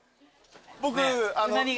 僕。